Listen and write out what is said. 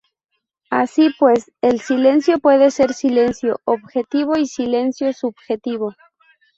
Así pues, el silencio puede ser silencio objetivo y silencio subjetivo.